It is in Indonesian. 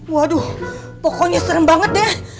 waduh pokoknya serem banget deh